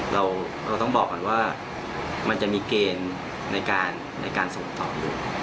เราต้องบอกก่อนว่ามันจะมีเกณฑ์ในการส่งต่ออยู่